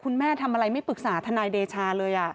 ทำอะไรไม่ปรึกษาทนายเดชาเลย